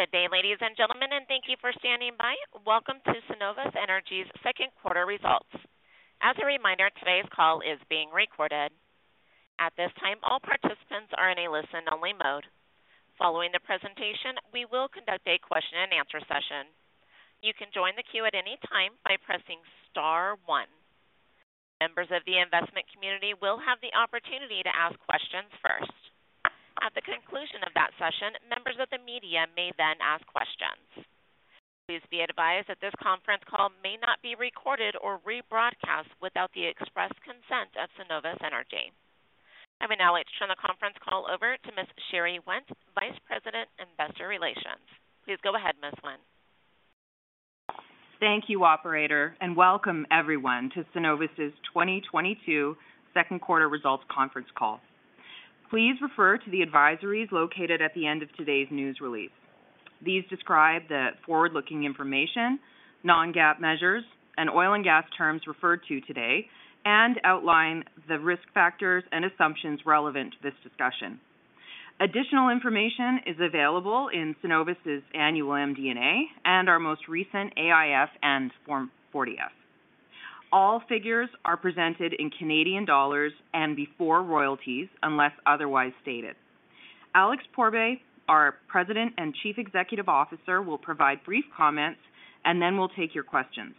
Good day, ladies and gentlemen, and thank you for standing by. Welcome to Cenovus Energy's Q2 results. As a reminder, today's call is being recorded. At this time, all participants are in a listen-only mode. Following the presentation, we will conduct a question-and-answer session. You can join the queue at any time by pressing star one. Members of the investment community will have the opportunity to ask questions first. At the conclusion of that session, members of the media may then ask questions. Please be advised that this conference call may not be recorded or rebroadcast without the express consent of Cenovus Energy. I would now like to turn the conference call over to Ms. Sherry Wendt, Vice President, Investor Relations. Please go ahead, Ms. Wendt. Thank you, operator, and welcome everyone to Cenovus's 2022 Q2 results conference call. Please refer to the advisories located at the end of today's news release. These describe the forward-looking information, non-GAAP measures and oil and gas terms referred to today and outline the risk factors and assumptions relevant to this discussion. Additional information is available in Cenovus's annual MD&A and our most recent AIF and Form 40-F. All figures are presented in Canadian dollars and before royalties unless otherwise stated. Alex Pourbaix, our President and Chief Executive Officer, will provide brief comments and then we'll take your questions.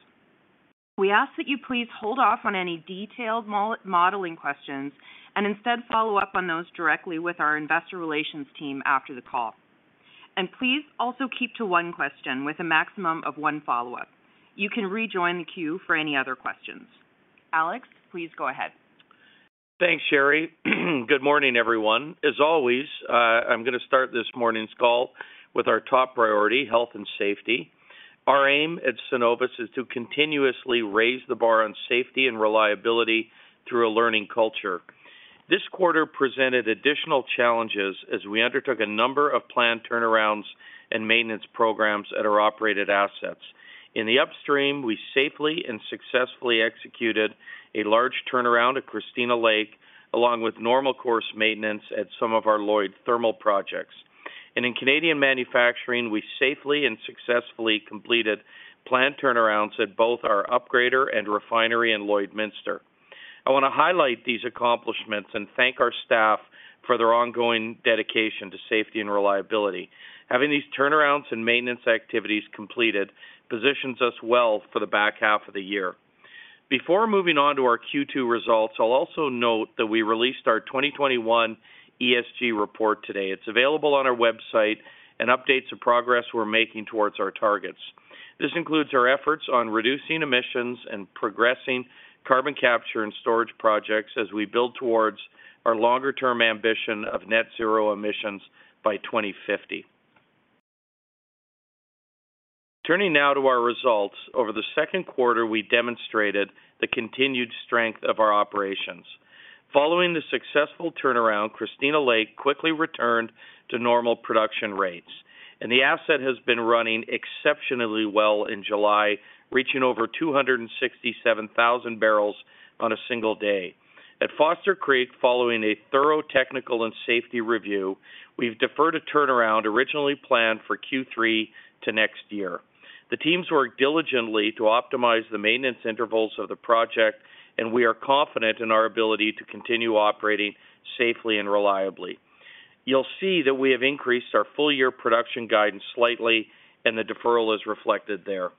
We ask that you please hold off on any detailed modeling questions and instead follow up on those directly with our investor relations team after the call. Please also keep to one question with a maximum of one follow-up. You can rejoin the queue for any other questions. Alex, please go ahead. Thanks, Sherry. Good morning, everyone. As always, I'm gonna start this morning's call with our top priority, health and safety. Our aim at Cenovus is to continuously raise the bar on safety and reliability through a learning culture. This quarter presented additional challenges as we undertook a number of planned turnarounds and maintenance programs at our operated assets. In the upstream, we safely and successfully executed a large turnaround at Christina Lake, along with normal course maintenance at some of our Lloyd Thermal projects. In Canadian manufacturing, we safely and successfully completed planned turnarounds at both our upgrader and refinery in Lloydminster. I wanna highlight these accomplishments and thank our staff for their ongoing dedication to safety and reliability. Having these turnarounds and maintenance activities completed positions us well for the back half of the year. Before moving on to our Q2 results, I'll also note that we released our 2021 ESG report today. It's available on our website and updates the progress we're making towards our targets. This includes our efforts on reducing emissions and progressing carbon capture and storage projects as we build towards our longer-term ambition of net zero emissions by 2050. Turning now to our results. Over the Q2, we demonstrated the continued strength of our operations. Following the successful turnaround, Christina Lake quickly returned to normal production rates, and the asset has been running exceptionally well in July, reaching over 267,000 barrels on a single day. At Foster Creek, following a thorough technical and safety review, we've deferred a turnaround originally planned for Q3 to next year. The teams worked diligently to optimize the maintenance intervals of the project, and we are confident in our ability to continue operating safely and reliably. You'll see that we have increased our full year production guidance slightly and the deferral is reflected there.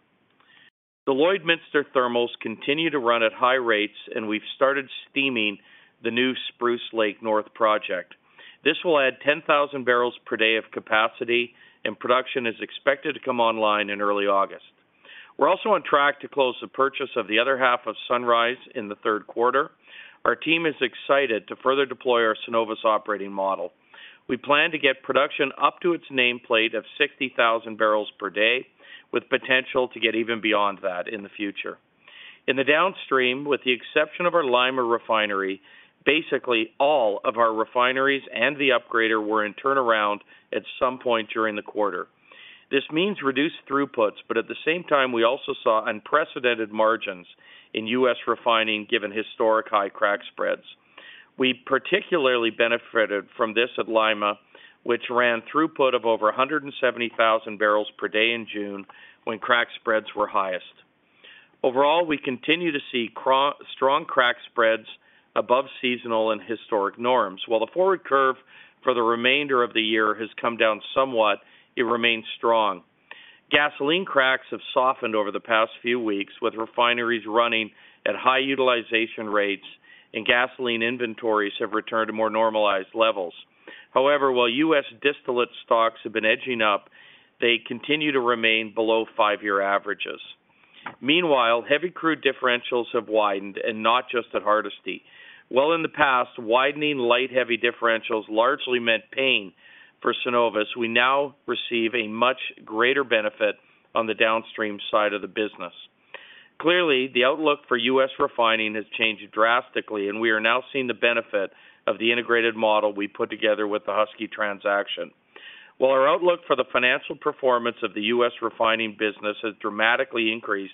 The Lloydminster Thermals continue to run at high rates, and we've started steaming the new Spruce Lake North project. This will add 10,000 barrels per day of capacity and production is expected to come online in early August. We're also on track to close the purchase of the other half of Sunrise in the Q3. Our team is excited to further deploy our Cenovus operating model. We plan to get production up to its nameplate of 60,000 barrels per day, with potential to get even beyond that in the future. In the downstream, with the exception of our Lima Refinery, basically all of our refineries and the upgrader were in turnaround at some point during the quarter. This means reduced throughputs, but at the same time we also saw unprecedented margins in U.S. refining given historic high crack spreads. We particularly benefited from this at Lima, which ran throughput of over 170,000 barrels per day in June when crack spreads were highest. Overall, we continue to see strong crack spreads above seasonal and historic norms. While the forward curve for the remainder of the year has come down somewhat, it remains strong. Gasoline cracks have softened over the past few weeks, with refineries running at high utilization rates and gasoline inventories have returned to more normalized levels. However, while U.S. distillate stocks have been edging up, they continue to remain below five-year averages. Meanwhile, heavy crude differentials have widened and not just at Hardisty. While in the past, widening light heavy differentials largely meant pain for Cenovus, we now receive a much greater benefit on the downstream side of the business. Clearly, the outlook for U.S. refining has changed drastically and we are now seeing the benefit of the integrated model we put together with the Husky transaction. While our outlook for the financial performance of the U.S. refining business has dramatically increased.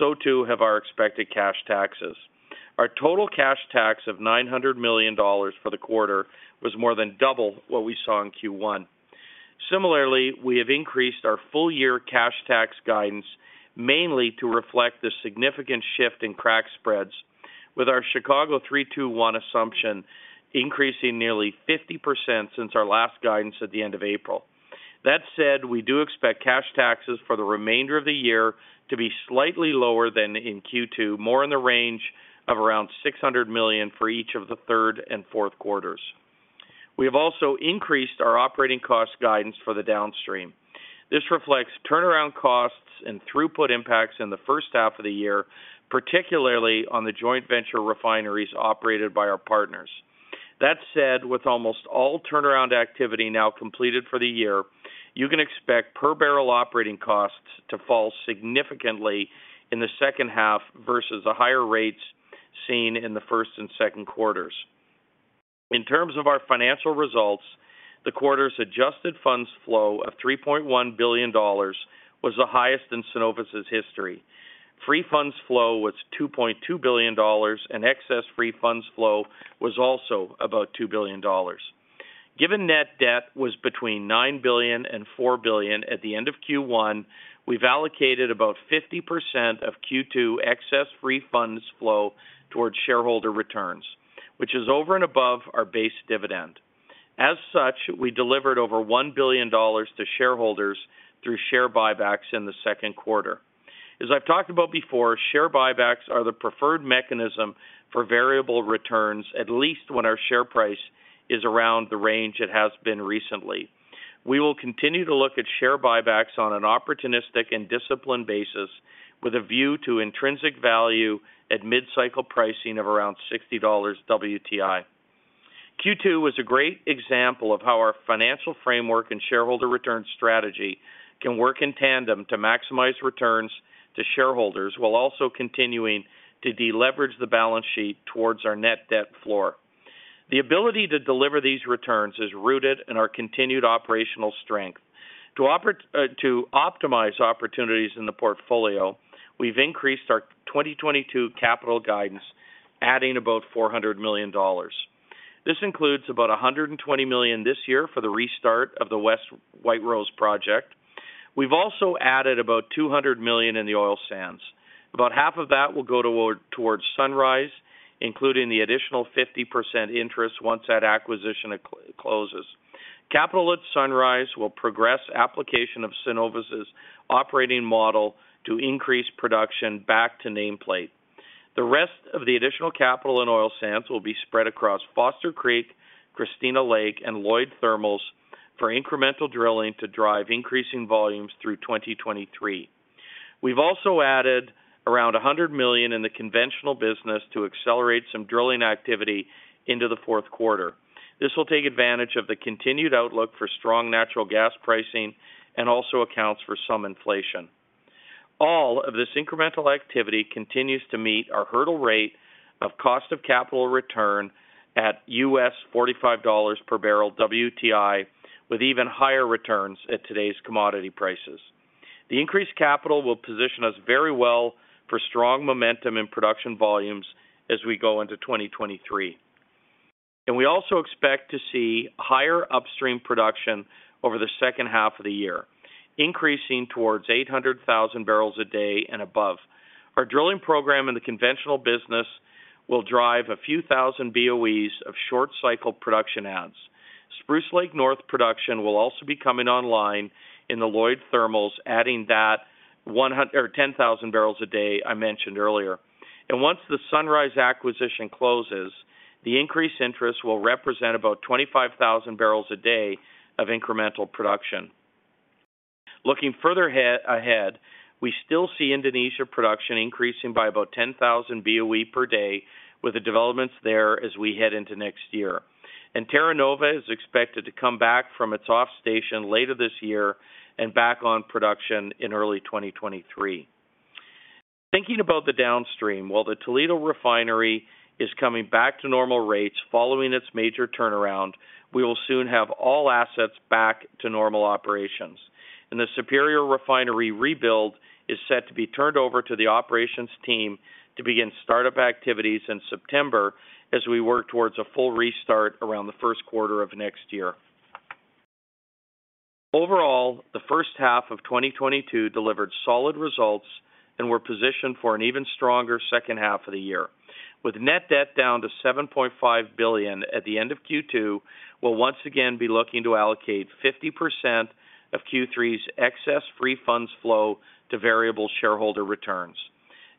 So too have our expected cash taxes. Our total cash tax of 900 million dollars for the quarter was more than double what we saw in Q1. Similarly, we have increased our full-year cash tax guidance mainly to reflect the significant shift in crack spreads with our Chicago 3-2-1 assumption increasing nearly 50% since our last guidance at the end of April. That said, we do expect cash taxes for the remainder of the year to be slightly lower than in Q2, more in the range of around 600 million for each of the third and fourth quarters. We have also increased our operating cost guidance for the downstream. This reflects turnaround costs and throughput impacts in the H1 of the year, particularly on the joint venture refineries operated by our partners. That said, with almost all turnaround activity now completed for the year, you can expect per-barrel operating costs to fall significantly in the H2 versus the higher rates seen in the first and second quarters. In terms of our financial results, the quarter's adjusted funds flow of 3.1 billion dollars was the highest in Cenovus' history. Free funds flow was 2.2 billion dollars, and excess free funds flow was also about two billion dollars. Given net debt was between nine billion and four billion at the end of Q1, we've allocated about 50% of Q2 excess free funds flow towards shareholder returns, which is over and above our base dividend. As such, we delivered over one billion dollars to shareholders through share buybacks in the Q2. As I've talked about before, share buybacks are the preferred mechanism for variable returns, at least when our share price is around the range it has been recently. We will continue to look at share buybacks on an opportunistic and disciplined basis with a view to intrinsic value at mid-cycle pricing of around $60 WTI. Q2 was a great example of how our financial framework and shareholder return strategy can work in tandem to maximize returns to shareholders while also continuing to deleverage the balance sheet towards our net debt floor. The ability to deliver these returns is rooted in our continued operational strength. To optimize opportunities in the portfolio, we've increased our 2022 capital guidance, adding about 400 million dollars. This includes about 120 million this year for the restart of the West White Rose project. We've also added about 200 million in the oil sands. About half of that will go towards Sunrise, including the additional 50% interest once that acquisition closes. Capital at Sunrise will progress application of Cenovus' operating model to increase production back to nameplate. The rest of the additional capital in oil sands will be spread across Foster Creek, Christina Lake, and Lloyd Thermals for incremental drilling to drive increasing volumes through 2023. We've also added around 100 million in the conventional business to accelerate some drilling activity into the fourth quarter. This will take advantage of the continued outlook for strong natural gas pricing and also accounts for some inflation. All of this incremental activity continues to meet our hurdle rate of cost of capital return at $45 per barrel WTI, with even higher returns at today's commodity prices. The increased capital will position us very well for strong momentum in production volumes as we go into 2023. We also expect to see higher upstream production over the H2 of the year, increasing towards 800,000 barrels a day and above. Our drilling program in the conventional business will drive a few thousand BOEs of short-cycle production adds. Spruce Lake North production will also be coming online in the Lloyd Thermals, adding 10,000 barrels a day I mentioned earlier. Once the Sunrise acquisition closes, the increased interest will represent about 25,000 barrels a day of incremental production. Looking further ahead, we still see Indonesia production increasing by about 10,000 BOE per day with the developments there as we head into next year. Terra Nova is expected to come back from its off station later this year and back on production in early 2023. Thinking about the downstream, while the Toledo Refinery is coming back to normal rates following its major turnaround, we will soon have all assets back to normal operations. The Superior Refinery rebuild is set to be turned over to the operations team to begin startup activities in September as we work towards a full restart around the Q1 of next year. Overall, the H1 of 2022 delivered solid results, and we're positioned for an even stronger H2 of the year. With net debt down to 7.5 billion at the end of Q2, we'll once again be looking to allocate 50% of Q3's excess free funds flow to variable shareholder returns.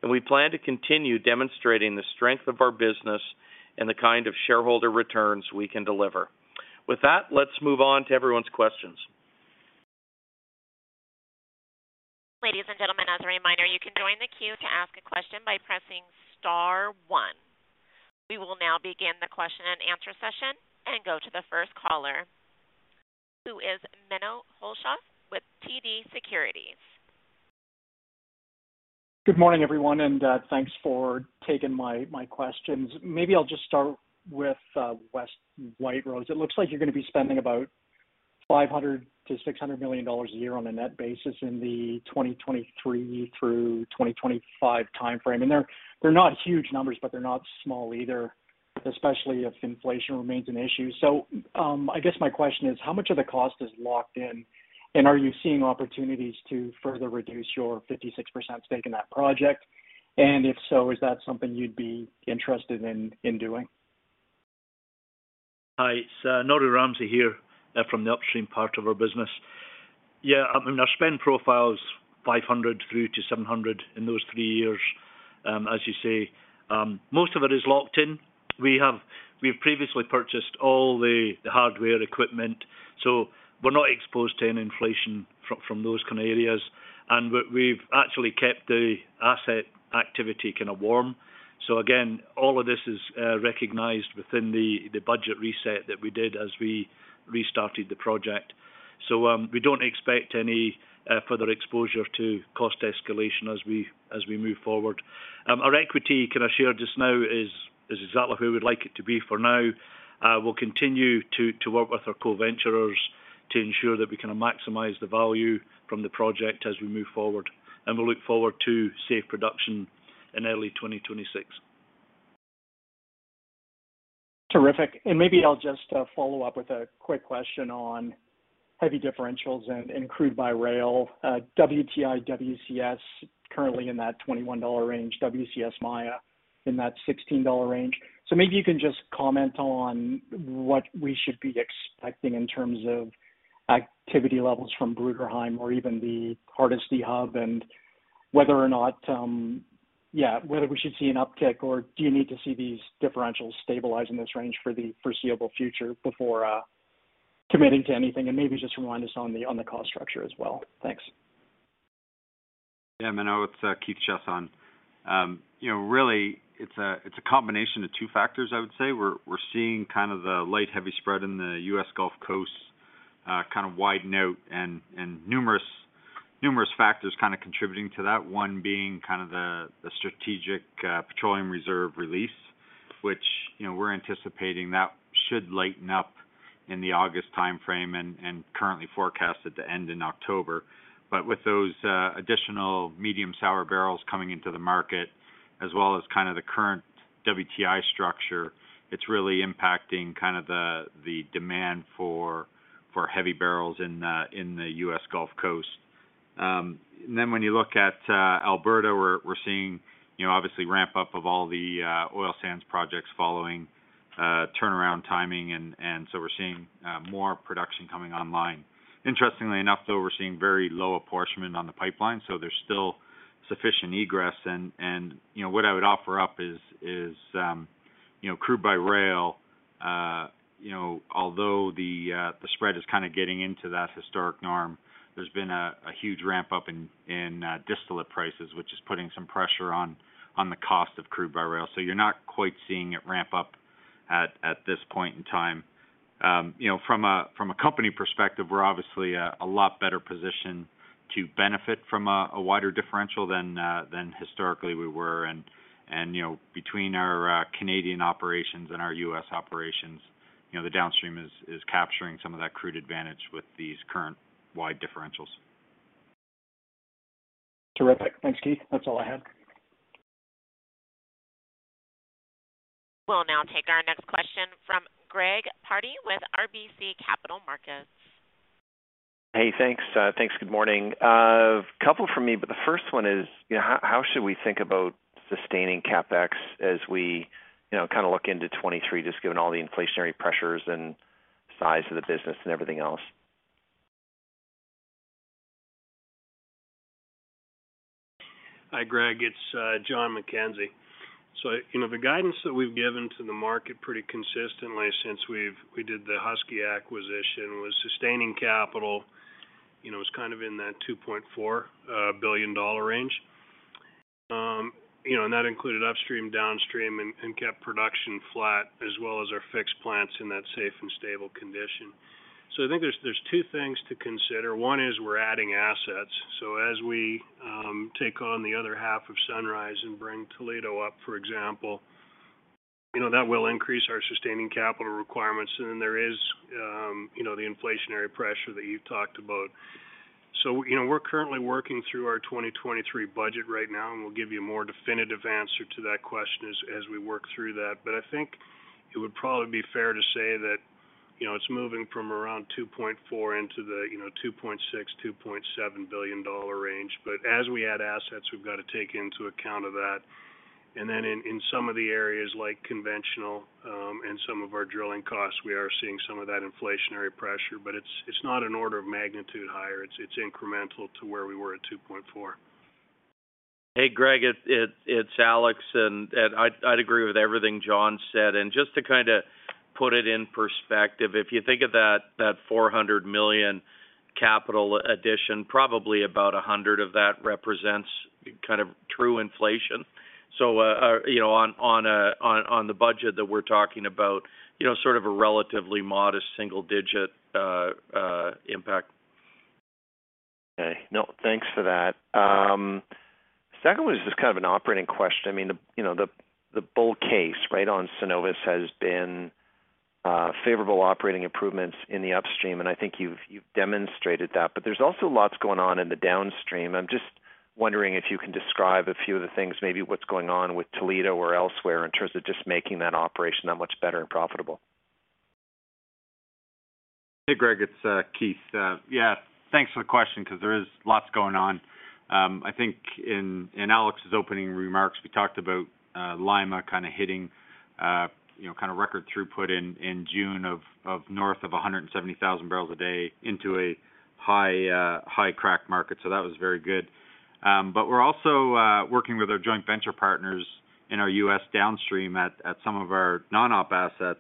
We plan to continue demonstrating the strength of our business and the kind of shareholder returns we can deliver. With that, let's move on to everyone's questions. Ladies and gentlemen, as a reminder, you can join the queue to ask a question by pressing star one. We will now begin the question and answer session and go to the first caller, who is Menno Hulshof with TD Securities. Good morning, everyone, and thanks for taking my questions. Maybe I'll just start with West White Rose. It looks like you're gonna be spending about 500-600 million dollars a year on a net basis in the 2023 through 2025 time frame. They're not huge numbers, but they're not small either, especially if inflation remains an issue. I guess my question is how much of the cost is locked in, and are you seeing opportunities to further reduce your 56% stake in that project? If so, is that something you'd be interested in doing? Hi, it's Norrie Ramsay here from the upstream part of our business. Yeah, I mean, our spend profile is 500-700 in those three years, as you say. Most of it is locked in. We have previously purchased all the hardware equipment, so we're not exposed to any inflation from those kind of areas. We've actually kept the asset activity kind of warm. Again, all of this is recognized within the budget reset that we did as we restarted the project. We don't expect any further exposure to cost escalation as we move forward. Our equity ownership share just now is exactly where we'd like it to be for now. We'll continue to work with our co-venturers to ensure that we can maximize the value from the project as we move forward. We look forward to safe production in early 2026. Terrific. Maybe I'll just follow up with a quick question on heavy differentials and crude by rail. WTI WCS currently in that $21 range, WCS Maya in that $16 range. Maybe you can just comment on what we should be expecting in terms of activity levels from Bruderheim or even the Hardisty Hub and whether we should see an uptick or do you need to see these differentials stabilize in this range for the foreseeable future before committing to anything? Maybe just remind us on the cost structure as well. Thanks. Yeah, Menno, it's Keith Chiasson. You know, really it's a combination of two factors, I would say. We're seeing kind of the light-heavy spread in the U.S. Gulf Coast kind of widen out and numerous factors kind of contributing to that. One being kind of the Strategic Petroleum Reserve release, which you know we're anticipating that should lighten up in the August time frame and currently forecast at the end in October. With those additional medium sour barrels coming into the market as well as kind of the current WTI structure, it's really impacting kind of the demand for heavy barrels in the U.S. Gulf Coast. When you look at Alberta, we're seeing, you know, obviously ramp up of all the oil sands projects following turnaround timing and so we're seeing more production coming online. Interestingly enough, though, we're seeing very low apportionment on the pipeline, so there's still sufficient egress and you know, what I would offer up is you know, crude by rail you know, although the spread is kind of getting into that historic norm, there's been a huge ramp up in distillate prices, which is putting some pressure on the cost of crude by rail. You're not quite seeing it ramp up at this point in time. You know, from a company perspective, we're obviously a lot better positioned to benefit from a wider differential than historically we were. You know, between our Canadian operations and our U.S. operations, you know, the downstream is capturing some of that crude advantage with these current wide differentials. Terrific. Thanks, Keith. That's all I had. We'll now take our next question from Greg Pardy with RBC Capital Markets. Hey, thanks. Thanks. Good morning. A couple from me, but the first one is, you know, how should we think about sustaining CapEx as we, you know, kind of look into 2023, just given all the inflationary pressures and size of the business and everything else? Hi, Greg, it's Jon McKenzie. You know, the guidance that we've given to the market pretty consistently since we did the Husky acquisition was sustaining capital. You know, was kind of in that 2.4 billion dollar range. You know, and that included upstream, downstream and kept production flat as well as our fixed plants in that safe and stable condition. I think there's two things to consider. One is we're adding assets, so as we take on the other half of Sunrise and bring Toledo up, for example. You know, that will increase our sustaining capital requirements. And then there is you know, the inflationary pressure that you talked about. We're currently working through our 2023 budget right now, and we'll give you a more definitive answer to that question as we work through that. I think it would probably be fair to say that, you know, it's moving from around 2.4 billion into the, you know, 2.6 billion-2.7 billion dollar range. As we add assets, we've got to take into account of that. Then in some of the areas like conventional and some of our drilling costs, we are seeing some of that inflationary pressure, but it's not an order of magnitude higher. It's incremental to where we were at 2.4 billion. Hey, Greg, it's Alex. I'd agree with everything John said. Just to kind of put it in perspective, if you think of that 400 million capital addition, probably about 100 of that represents kind of true inflation. You know, on the budget that we're talking about, you know, sort of a relatively modest single-digit impact. No, thanks for that. Second one is just kind of an operating question. I mean, you know, the bull case right on Cenovus has been favorable operating improvements in the upstream, and I think you've demonstrated that. But there's also lots going on in the downstream. I'm just wondering if you can describe a few of the things, maybe what's going on with Toledo or elsewhere in terms of just making that operation that much better and profitable. Hey, Greg, it's Keith. Thanks for the question because there is lots going on. I think in Alex's opening remarks, we talked about Lima kind of hitting you know kind of record throughput in June of north of 170,000 barrels a day into a high crack market. That was very good. We're also working with our joint venture partners in our U.S. downstream at some of our non-op assets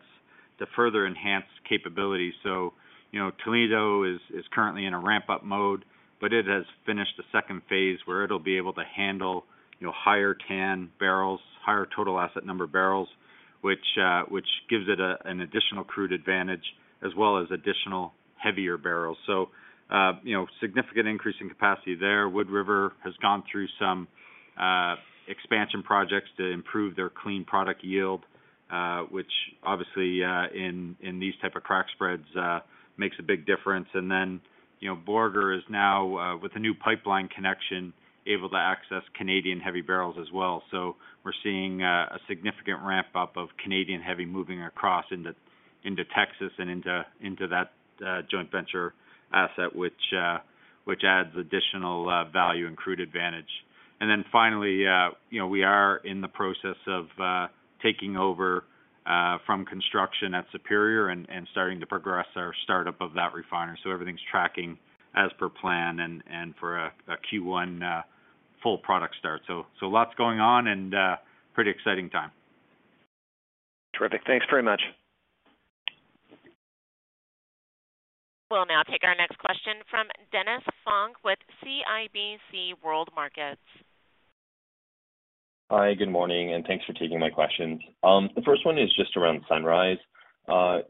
to further enhance capability. You know, Toledo is currently in a ramp-up mode, but it has finished the second phase where it'll be able to handle you know higher TAN barrels, which gives it an additional crude advantage as well as additional heavier barrels. You know, significant increase in capacity there. Wood River has gone through some expansion projects to improve their clean product yield, which obviously in these type of crack spreads makes a big difference. Borger is now with the new pipeline connection able to access Canadian heavy barrels as well. We're seeing a significant ramp-up of Canadian heavy moving across into Texas and into that joint venture asset, which adds additional value and crude advantage. Finally, you know, we are in the process of taking over from construction at Superior and starting to progress our start-up of that refinery. Everything's tracking as per plan and for a Q1 full product start. Lots going on and pretty exciting time. Terrific. Thanks very much. We'll now take our next question from Dennis Fong with CIBC World Markets. Hi, good morning, and thanks for taking my questions. The first one is just around Sunrise.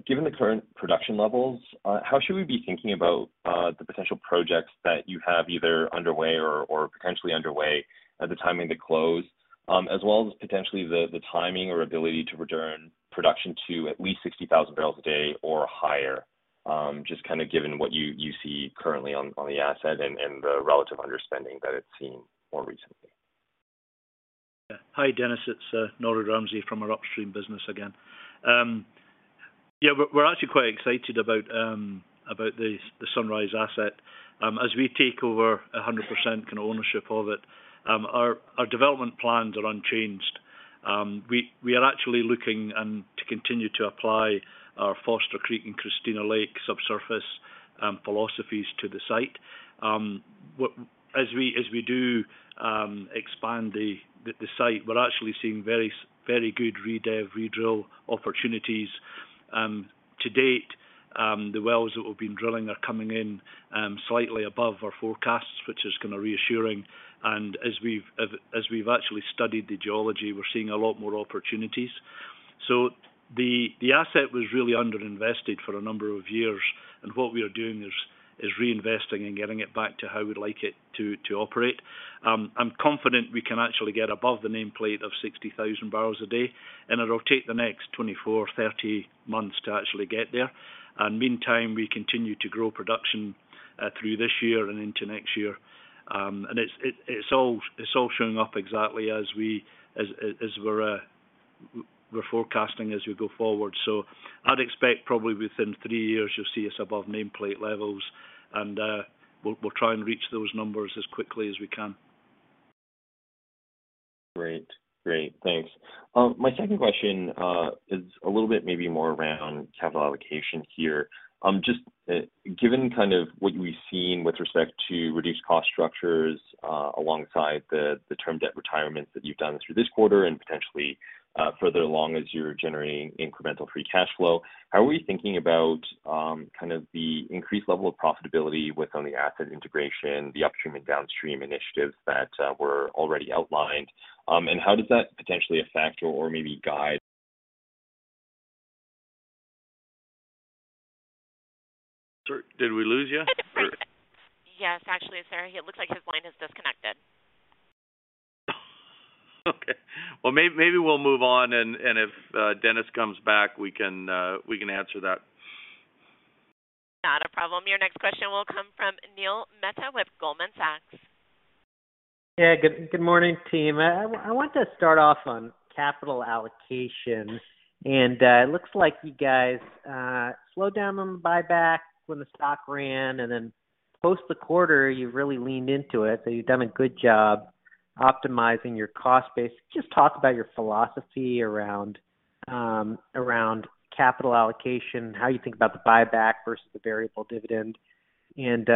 Given the current production levels, how should we be thinking about the potential projects that you have either underway or potentially underway at the timing to close, as well as potentially the timing or ability to return production to at least 60,000 barrels a day or higher? Just kind of given what you see currently on the asset and the relative understanding that it's seen more recently. Hi, Dennis. It's Norrie Ramsay from our upstream business again. We're actually quite excited about the Sunrise asset. As we take over 100% ownership of it, our development plans are unchanged. We are actually looking to continue to apply our Foster Creek and Christina Lake subsurface philosophies to the site. As we do expand the site, we're actually seeing very good redevelopment, redrill opportunities. To date, the wells that we've been drilling are coming in slightly above our forecasts, which is kind of reassuring. As we've actually studied the geology, we're seeing a lot more opportunities. The asset was really underinvested for a number of years, and what we are doing is reinvesting and getting it back to how we'd like it to operate. I'm confident we can actually get above the nameplate of 60,000 barrels a day, and it'll take the next 24-30 months to actually get there. In the meantime, we continue to grow production through this year and into next year. It's all showing up exactly as we're forecasting as we go forward. I'd expect probably within three years, you'll see us above nameplate levels, and we'll try and reach those numbers as quickly as we can. Great. Thanks. My second question is a little bit maybe more around capital allocation here. Just, given kind of what we've seen with respect to reduced cost structures, alongside the term debt retirements that you've done through this quarter and potentially, further along as you're generating incremental free cash flow, how are we thinking about, kind of the increased level of profitability within the asset integration, the upstream and downstream initiatives that were already outlined? How does that potentially affect or maybe guide. Sir, did we lose you? Yes, actually, sir, it looks like his line is disconnected. Okay. Well maybe we'll move on and if Dennis comes back, we can answer that. Not a problem. Your next question will come from Neil Mehta with Goldman Sachs. Yeah. Good morning, team. I want to start off on capital allocation, and it looks like you guys slowed down on the buyback when the stock ran, and then post the quarter, you really leaned into it, so you've done a good job optimizing your cost base. Just talk about your philosophy around capital allocation, how you think about the buyback versus the variable dividend, and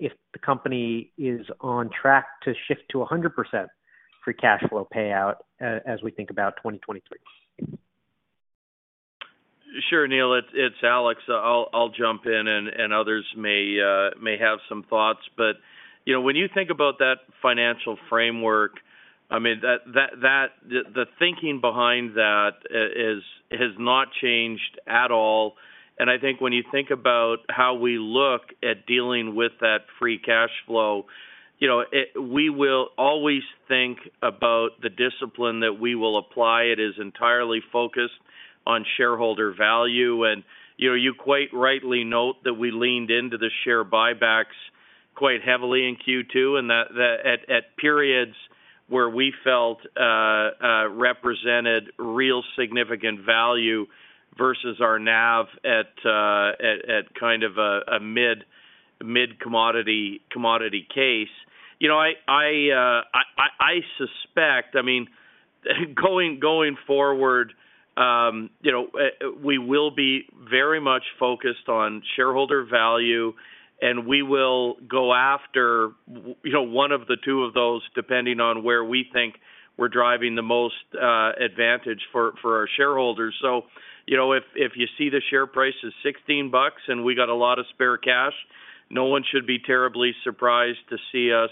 if the company is on track to shift to 100% free cash flow payout as we think about 2023. Sure, Neil. It's Alex. I'll jump in and others may have some thoughts. You know, when you think about that financial framework. I mean, that the thinking behind that has not changed at all. I think when you think about how we look at dealing with that free cash flow, you know, we will always think about the discipline that we will apply. It is entirely focused on shareholder value. You know, you quite rightly note that we leaned into the share buybacks quite heavily in Q2, and that at periods where we felt represented real significant value versus our NAV at kind of a mid commodity case. You know, I suspect, I mean, going forward, you know, we will be very much focused on shareholder value, and we will go after, you know, one of the two of those, depending on where we think we're driving the most advantage for our shareholders. You know, if you see the share price is 16 bucks and we got a lot of spare cash, no one should be terribly surprised to see us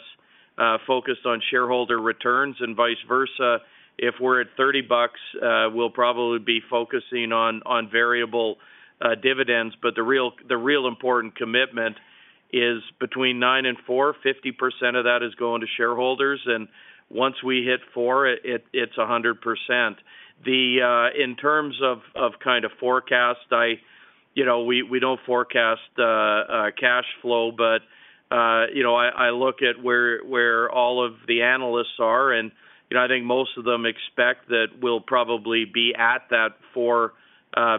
focused on shareholder returns and vice versa. If we're at 30 bucks, we'll probably be focusing on variable dividends. The real important commitment is between CAD nine and CAD four, 50% of that is going to shareholders. Once we hit CAD four, it's 100%. Then in terms of kind of forecast. I. You know, we don't forecast cash flow, but you know, I look at where all of the analysts are and you know, I think most of them expect that we'll probably be at that four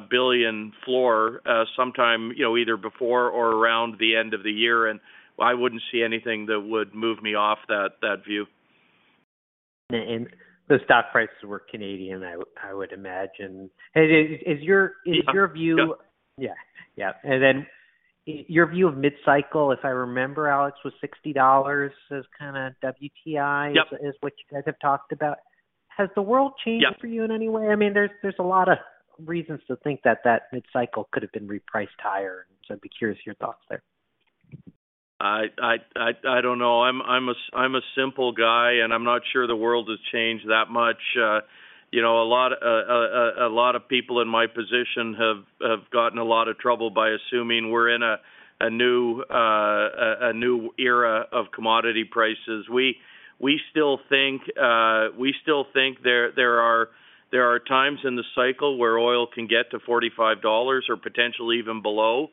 billion floor sometime you know, either before or around the end of the year. I wouldn't see anything that would move me off that view. The stock prices were Canadian. I would imagine. Is your. Yeah. Is your view. Yep. Yeah. Your view of mid-cycle, if I remember, Alex, was $60 as kinda WTI. Yep Is what you guys have talked about. Has the world changed? Yep For you in any way? I mean, there's a lot of reasons to think that mid-cycle could have been repriced higher. I'd be curious your thoughts there. I don't know. I'm a simple guy, and I'm not sure the world has changed that much. You know, a lot of people in my position have gotten in a lot of trouble by assuming we're in a new era of commodity prices. We still think there are times in the cycle where oil can get to $45 or potentially even below.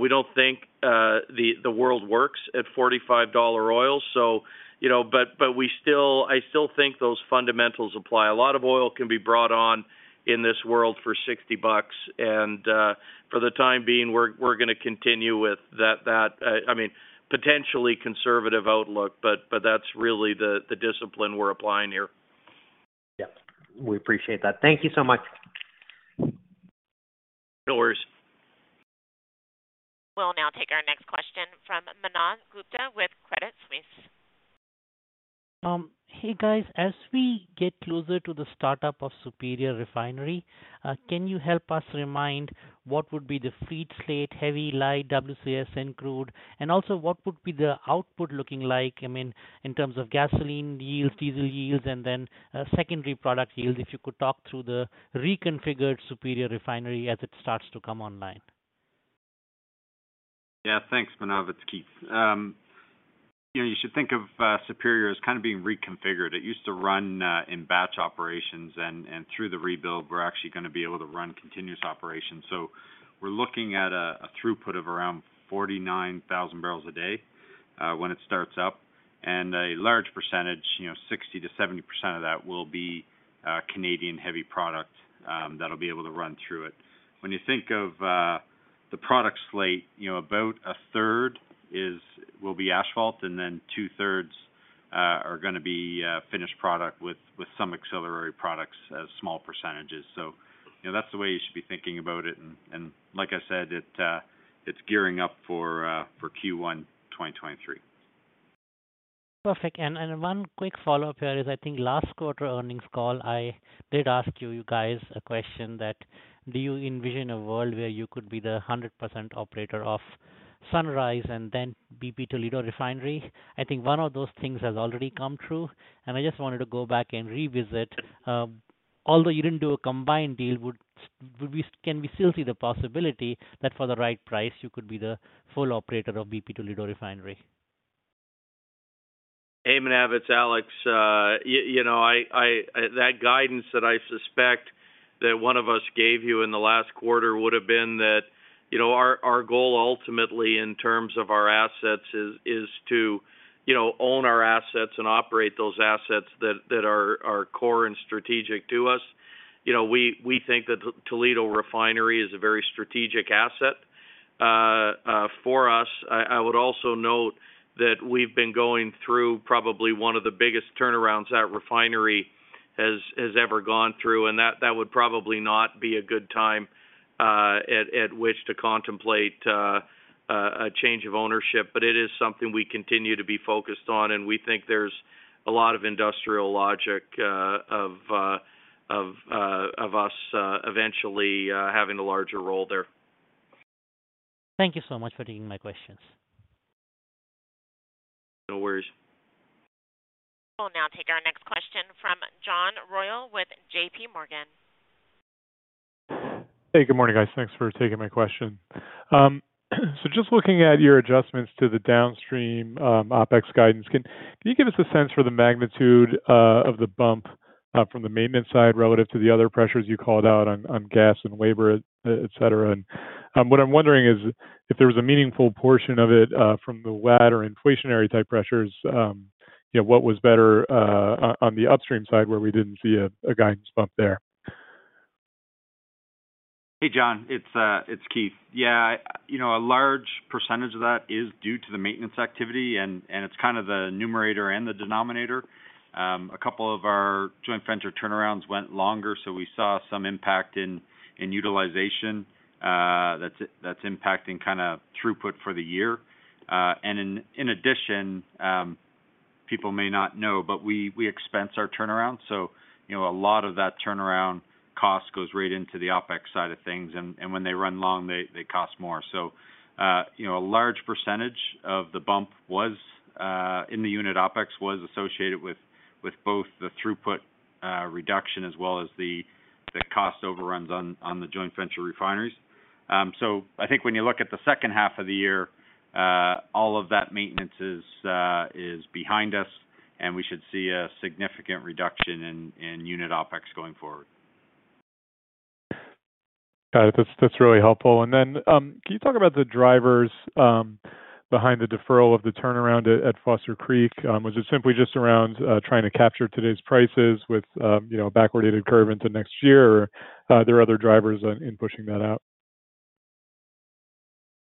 We don't think the world works at $45 oil. You know, but I still think those fundamentals apply. A lot of oil can be brought on in this world for $60. For the time being, we're gonna continue with that, I mean, potentially conservative outlook, but that's really the discipline we're applying here. Yeah. We appreciate that. Thank you so much. No worries. We'll now take our next question from Manav Gupta with Credit Suisse. Hey, guys. As we get closer to the startup of Superior Refinery, can you help us remind what would be the fleet slate, heavy, light, WCS crude, and also what would be the output looking like, I mean, in terms of gasoline yields, diesel yields, and then, secondary product yields? If you could talk through the reconfigured Superior Refinery as it starts to come online. Yeah. Thanks, Manav. It's Keith. You know, you should think of Superior as kind of being reconfigured. It used to run in batch operations, and through the rebuild, we're actually gonna be able to run continuous operations. We're looking at a throughput of around 49,000 barrels a day when it starts up. A large percentage, you know, 60%-70% of that will be Canadian heavy product that'll be able to run through it. When you think of the product slate, you know, about a third will be asphalt, and then 2/3 are gonna be finished product with some auxiliary products as small percentages. You know, that's the way you should be thinking about it. Like I said, it's gearing up for Q1 2023. Perfect. One quick follow-up here is, I think last quarter earnings call, I did ask you guys a question that, do you envision a world where you could be the 100% operator of Sunrise and then BP Toledo Refinery? I think one of those things has already come true. I just wanted to go back and revisit. Although you didn't do a combined deal, can we still see the possibility that for the right price, you could be the full operator of BP Toledo Refinery? Hey, Manav, it's Alex. You know, that guidance that I suspect that one of us gave you in the last quarter would have been that, you know, our goal ultimately in terms of our assets is to, you know, own our assets and operate those assets that are core and strategic to us. You know, we think that Toledo Refinery is a very strategic asset for us. I would also note that we've been going through probably one of the biggest turnarounds that refinery has ever gone through, and that would probably not be a good time at which to contemplate a change of ownership but it is something we continue to be focused on, and we think there's a lot of industrial logic of us eventually having a larger role there. Thank you so much for taking my questions. No worries. We'll now take our next question from John Royall with JPMorgan. Hey, good morning, guys. Thanks for taking my question. Just looking at your adjustments to the downstream OpEx guidance, can you give us a sense for the magnitude of the bump from the maintenance side relative to the other pressures you called out on gas and labor, et cetera? What I'm wondering is if there was a meaningful portion of it from the latter inflationary type pressures, you know, what was better on the upstream side where we didn't see a guidance bump there? Hey, John, it's Keith. Yeah. You know, a large percentage of that is due to the maintenance activity and it's kind of the numerator and the denominator. A couple of our joint venture turnarounds went longer, so we saw some impact in utilization, that's impacting kinda throughput for the year. In addition, people may not know, but we expense our turnarounds. So, you know, a lot of that turnaround cost goes right into the OpEx side of things, and when they run long, they cost more. So, you know, a large percentage of the bump was in the unit OpEx was associated with both the throughput reduction as well as the cost overruns on the joint venture refineries. I think when you look at the H2 of the year, all of that maintenance is behind us, and we should see a significant reduction in unit OpEx going forward. Got it. That's really helpful. Can you talk about the drivers behind the deferral of the turnaround at Foster Creek? Was it simply just around trying to capture today's prices with, you know, backward-dated curve into next year? Or are there other drivers in pushing that out?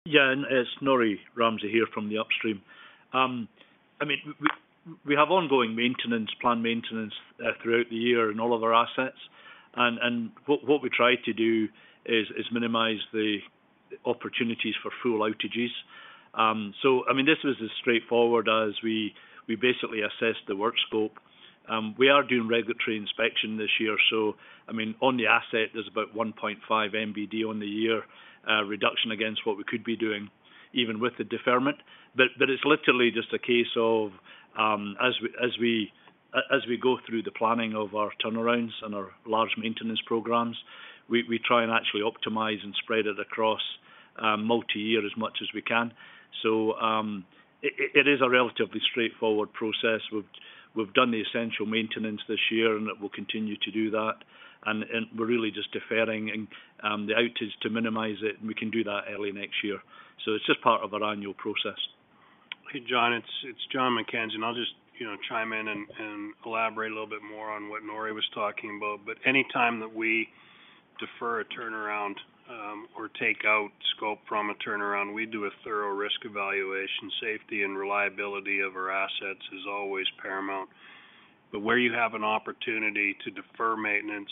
Yeah. It's Norrie Ramsay here from the upstream. I mean, we have ongoing maintenance, planned maintenance throughout the year in all of our assets. What we try to do is minimize the opportunities for full outages. I mean, this was as straightforward as we basically assessed the work scope. We are doing regulatory inspection this year, so I mean, on the asset, there's about 1.5 MBD on the year reduction against what we could be doing even with the deferment. It's literally just a case of as we go through the planning of our turnarounds and our large maintenance programs, we try and actually optimize and spread it across multi-year as much as we can. It is a relatively straightforward process. We've done the essential maintenance this year, and we'll continue to do that. We're really just deferring the outage to minimize it, and we can do that early next year. It's just part of our annual process. Hey, John, it's Jon McKenzie, and I'll just, you know, chime in and elaborate a little bit more on what Norrie was talking about. Anytime that we defer a turnaround, or take out scope from a turnaround, we do a thorough risk evaluation. Safety and reliability of our assets is always paramount. Where you have an opportunity to defer maintenance,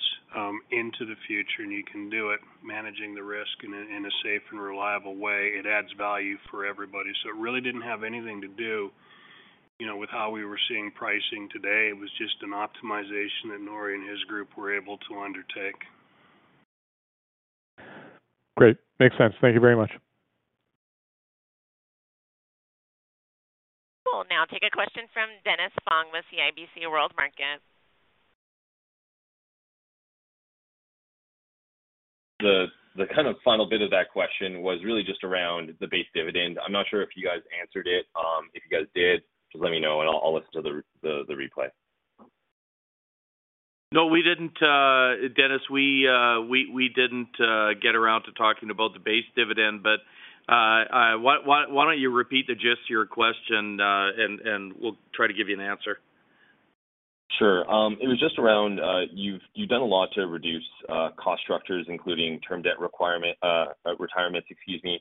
into the future and you can do it managing the risk in a safe and reliable way, it adds value for everybody. It really didn't have anything to do, you know, with how we were seeing pricing today. It was just an optimization that Norrie and his group were able to undertake. Great. Makes sense. Thank you very much. Cool. Now take a question from Dennis Fong with CIBC World Markets. The kind of final bit of that question was really just around the base dividend. I'm not sure if you guys answered it. If you guys did, just let me know and I'll listen to the replay. No, we didn't, Dennis, get around to talking about the base dividend. But why don't you repeat the gist of your question, and we'll try to give you an answer. Sure. It was just around, you've done a lot to reduce cost structures, including long-term debt retirements, excuse me,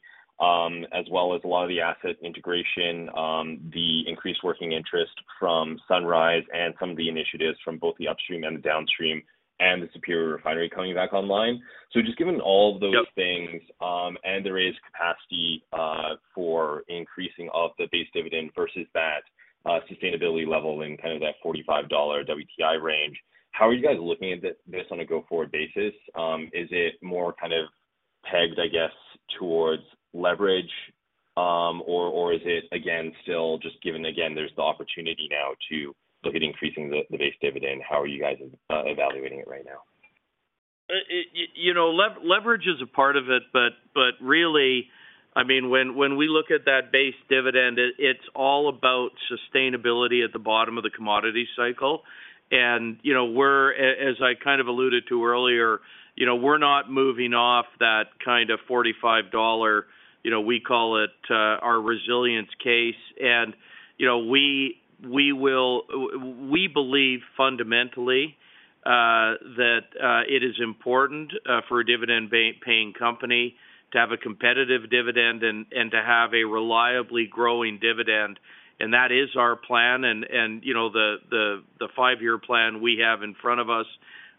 as well as a lot of the asset integration, the increased working interest from Sunrise and some of the initiatives from both the upstream and the downstream and the Superior refinery coming back online. Just given all of those things. Yep. And the raised capacity for increasing of the base dividend versus that sustainability level in kind of that $45 WTI range, how are you guys looking at this on a go-forward basis? Is it more kind of pegged, I guess, towards leverage? Or is it again, still just given again, there's the opportunity now to look at increasing the base dividend? How are you guys evaluating it right now? You know, leverage is a part of it, but really, I mean, when we look at that base dividend, it's all about sustainability at the bottom of the commodity cycle. You know, as I kind of alluded to earlier, you know, we're not moving off that kind of $45, you know, we call it our resilience case. We believe fundamentally that it is important for a dividend-paying company to have a competitive dividend and to have a reliably growing dividend. That is our plan. You know, the five-year plan we have in front of us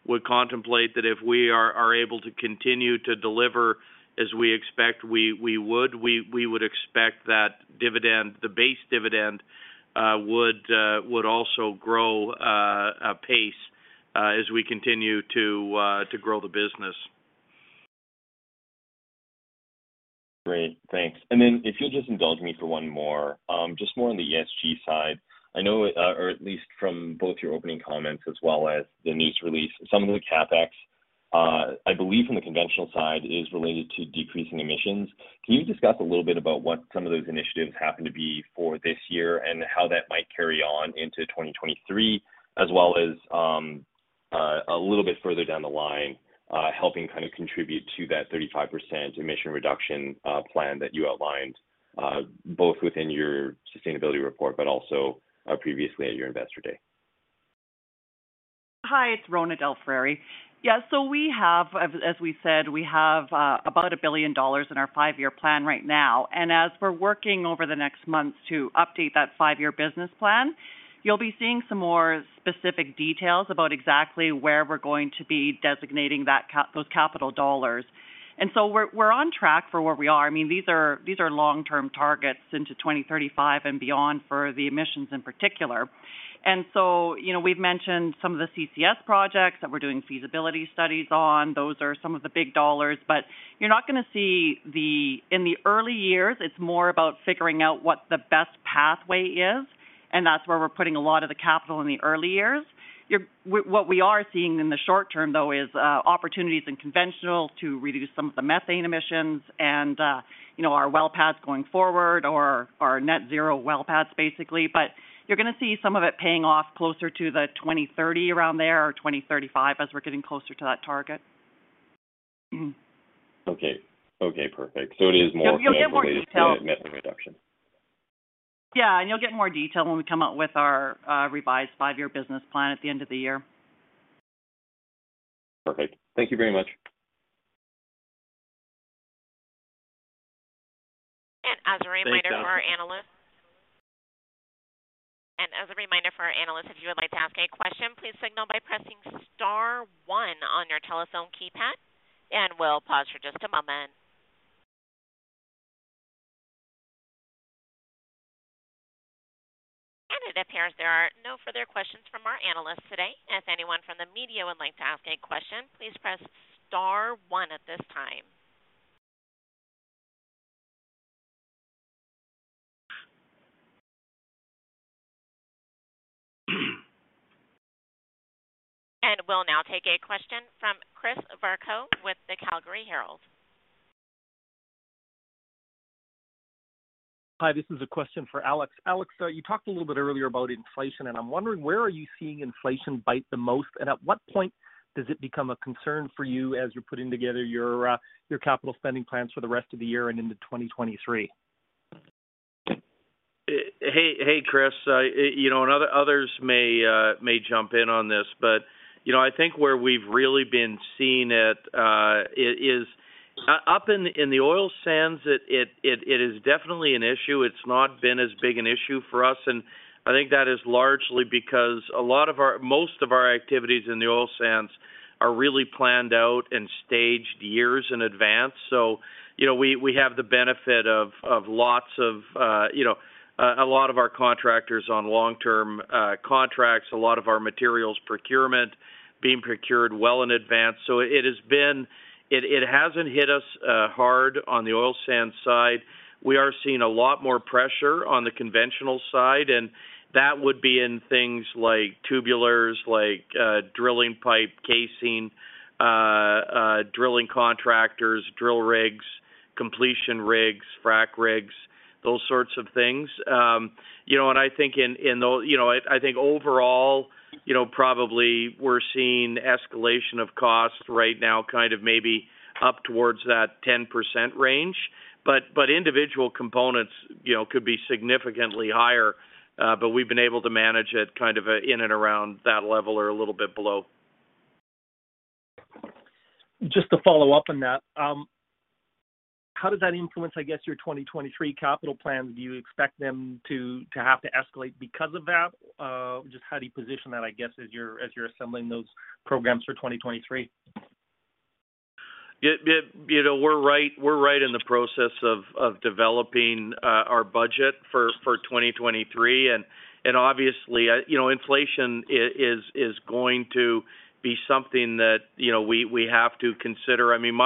would contemplate that if we are able to continue to deliver as we expect, we would expect that dividend, the base dividend would also grow at a pace as we continue to grow the business. Great. Thanks. If you'll just indulge me for one more, just more on the ESG side. I know, or at least from both your opening comments as well as the news release, some of the CapEx, I believe from the conventional side is related to decreasing emissions. Can you discuss a little bit about what some of those initiatives happen to be for this year and how that might carry on into 2023, as well as a little bit further down the line, helping kind of contribute to that 35% emission reduction plan that you outlined, both within your sustainability report but also previously at your Investor Day? Hi, it's Rhona DelFrari. Yeah. We have, as we said, we have about one billion dollars in our five-year plan right now. We're working over the next months to update that five-year business plan. You'll be seeing some more specific details about exactly where we're going to be designating those capital dollars. We're on track for where we are. I mean, these are long-term targets into 2035 and beyond for the emissions in particular. You know, we've mentioned some of the CCS projects that we're doing feasibility studies on. Those are some of the big dollars. But you're not gonna see. In the early years, it's more about figuring out what the best pathway is, and that's where we're putting a lot of the capital in the early years. What we are seeing in the short term, though, is opportunities in conventional to reduce some of the methane emissions and, you know, our well pads going forward or our net zero well paths, basically. You're gonna see some of it paying off closer to 2030, around there, or 2035 as we're getting closer to that target. Mm-hmm. Okay, perfect. It is more. You'll get more detail. Methane reduction. Yeah. You'll get more detail when we come out with our revised five-year business plan at the end of the year. Perfect. Thank you very much. As a reminder for our analysts, if you would like to ask a question, please signal by pressing star one on your telephone keypad, and we'll pause for just a moment. It appears there are no further questions from our analysts today. If anyone from the media would like to ask a question, please press star one at this time. We'll now take a question from Chris Varcoe with the Calgary Herald. Hi, this is a question for Alex. Alex, you talked a little bit earlier about inflation, and I'm wondering where are you seeing inflation bite the most, and at what point does it become a concern for you as you're putting together your capital spending plans for the rest of the year and into 2023? Hey, Chris. You know, and others may jump in on this. You know, I think where we've really been seeing it is up in the oil sands. It is definitely an issue. It's not been as big an issue for us, and I think that is largely because most of our activities in the oil sands are really planned out and staged years in advance. You know, we have the benefit of lots of, you know, a lot of our contractors on long-term contracts, a lot of our materials procurement being procured well in advance. It hasn't hit us hard on the oil sands side. We are seeing a lot more pressure on the conventional side, and that would be in things like tubulars, like drilling pipe casing, drilling contractors, drill rigs, completion rigs, frack rigs, those sorts of things. You know, I think overall, you know, probably we're seeing escalation of costs right now, kind of maybe up towards that 10% range. Individual components, you know, could be significantly higher, but we've been able to manage it kind of in and around that level or a little bit below. Just to follow up on that, how does that influence, I guess, your 2023 capital plans? Do you expect them to have to escalate because of that? Just how do you position that, I guess, as you're assembling those programs for 2023? You know, we're right in the process of developing our budget for 2023. Obviously, you know, inflation is going to be something that, you know, we have to consider. I mean,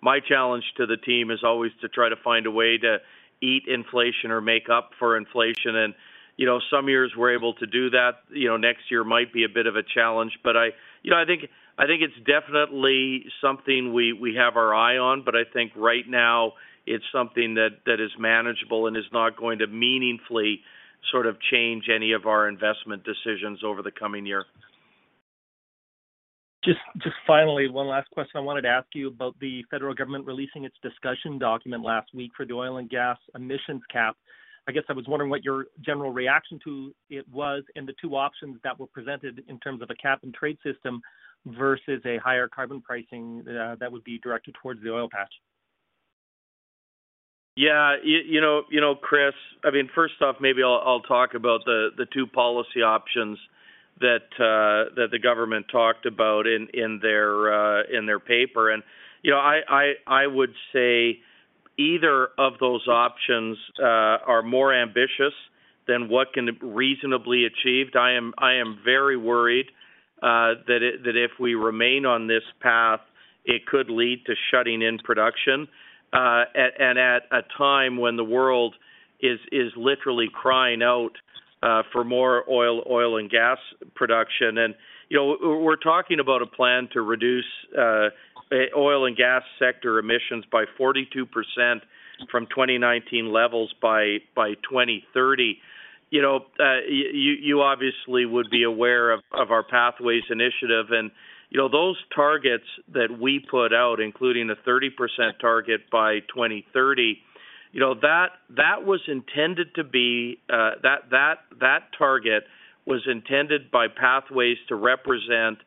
my challenge to the team is always to try to find a way to eat inflation or make up for inflation. You know, some years we're able to do that. You know, next year might be a bit of a challenge. You know, I think it's definitely something we have our eye on, but I think right now it's something that is manageable and is not going to meaningfully sort of change any of our investment decisions over the coming year. Just finally, one last question I wanted to ask you about the federal government releasing its discussion document last week for the oil and gas emissions cap. I guess I was wondering what your general reaction to it was and the two options that were presented in terms of a cap and trade system versus a higher carbon pricing that would be directed towards the oil patch. You know, Chris, I mean, first off, maybe I'll talk about the two policy options that the government talked about in their paper. You know, I would say either of those options are more ambitious than what can be reasonably achieved. I am very worried that if we remain on this path, it could lead to shutting in production and at a time when the world is literally crying out for more oil and gas production. You know, we're talking about a plan to reduce oil and gas sector emissions by 42% from 2019 levels by 2030. You know, you obviously would be aware of our Pathways initiative and, you know, those targets that we put out, including the 30% target by 2030, you know, that was intended to be, that target was intended by Pathways to represent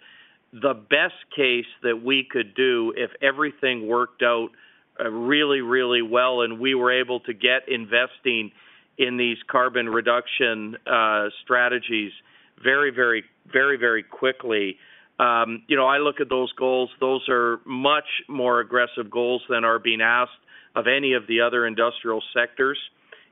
the best case that we could do if everything worked out really well, and we were able to get investing in these carbon reduction strategies very quickly. You know, I look at those goals, those are much more aggressive goals than are being asked of any of the other industrial sectors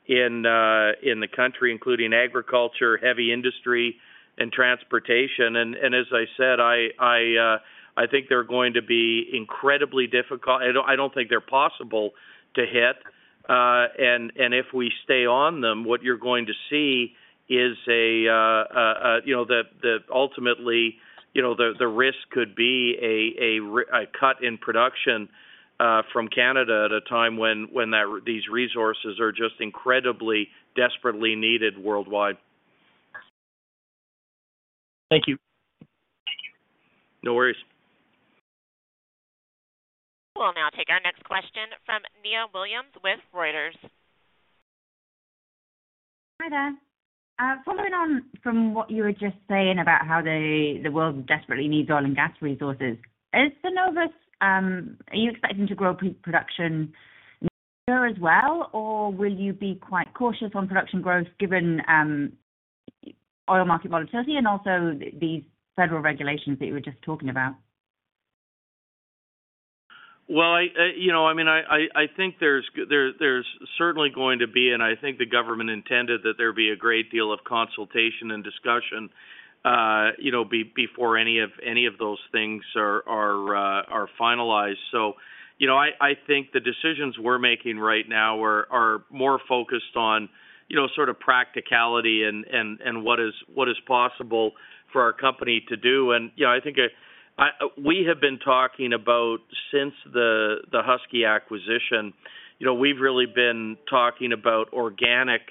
in the country, including agriculture, heavy industry, and transportation. As I said, I think they're going to be incredibly difficult. I don't think they're possible to hit. If we stay on them, what you're going to see is, you know, ultimately, you know, the risk could be a cut in production from Canada at a time when these resources are just incredibly, desperately needed worldwide. Thank you. No worries. We'll now take our next question from Nia Williams with Reuters. Hi there. Following on from what you were just saying about how the world desperately needs oil and gas resources, is Cenovus, are you expecting to grow production next year as well, or will you be quite cautious on production growth given oil market volatility and also these federal regulations that you were just talking about? Well, you know, I mean, I think there's certainly going to be, and I think the government intended that there be a great deal of consultation and discussion, you know, before any of those things are finalized. You know, I think the decisions we're making right now are more focused on, you know, sort of practicality and what is possible for our company to do. You know, I think we have been talking about since the Husky acquisition, you know, we've really been talking about organic,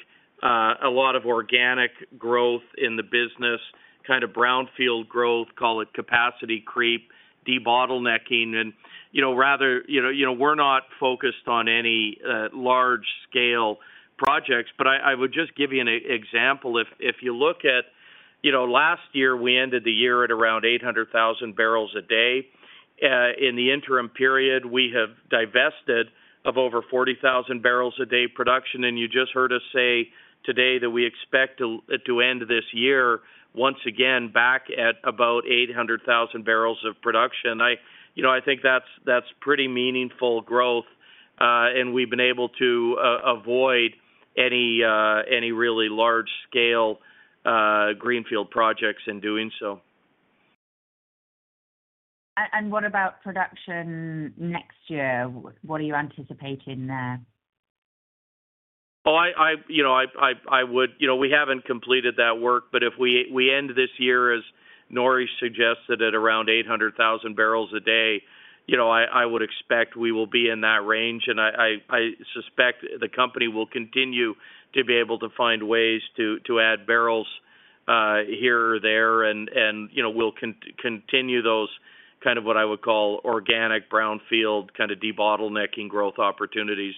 a lot of organic growth in the business, kind of brownfield growth, call it capacity creep, debottlenecking. You know, rather, you know, we're not focused on any large scale projects, but I would just give you an example. If you look at, you know, last year, we ended the year at around 800,000 barrels a day. In the interim period, we have divested of over 40,000 barrels a day production. You just heard us say today that we expect to end this year once again back at about 800,000 barrels of production. You know, I think that's pretty meaningful growth, and we've been able to avoid any really large scale greenfield projects in doing so. What about production next year? What are you anticipating there? You know, I would, you know, we haven't completed that work, but if we end this year, as Norrie suggested, at around 800,000 barrels a day, you know, I suspect the company will continue to be able to find ways to add barrels here or there and, you know, we'll continue those kind of what I would call organic brownfield kind of debottlenecking growth opportunities.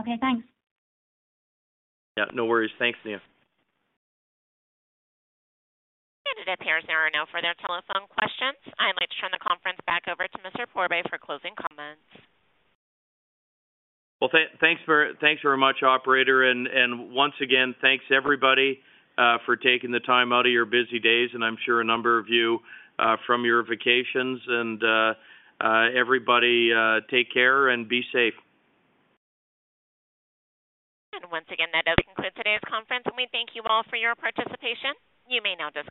Okay, thanks. Yeah, no worries. Thanks, Nia. It appears there are no further telephone questions. I'd like to turn the conference back over to Alex Pourbaix for closing comments. Well, thanks very much, operator. Once again, thanks everybody for taking the time out of your busy days, and I'm sure a number of you from your vacations. Everybody, take care and be safe. Once again, that does conclude today's conference, and we thank you all for your participation. You may now disconnect.